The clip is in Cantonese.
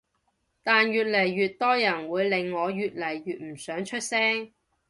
但越嚟越多人會令我越嚟越唔想出聲